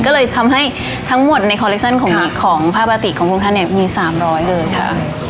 ก็เลยทำให้ทั้งหมดในคอลเลคชั่นของภาพปฏิของพระองค์ท่านเนี่ยมี๓๐๐เลยค่ะ